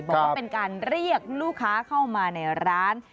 บอกว่าเป็นการเรียกลูกค้าเข้ามาในร้าน